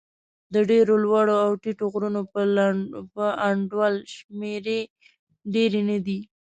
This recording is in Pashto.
د ډېرو لوړو او ټیټو غرونو په انډول شمېرې ډېرې نه دي.